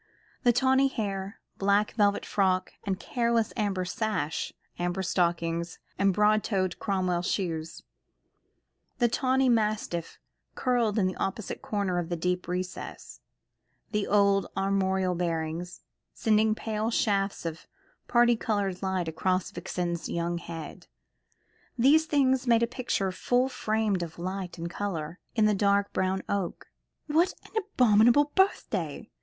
The tawny hair, black velvet frock, and careless amber sash, amber stockings, and broad toed Cromwell shoes; the tawny mastiff curled in the opposite corner of the deep recess; the old armorial bearings, sending pale shafts of parti coloured light across Vixen's young head; these things made a picture full framed of light and colour, in the dark brown oak. "What an abominable birthday!"